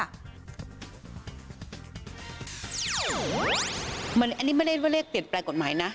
อันนี้ไม่ได้เรียกว่าเรียกเปลี่ยนแปลกกฎหมายนะ